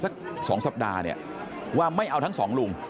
สัก๒สัปดาห์เนี่ยว่าไม่เอาทั้งสองลุง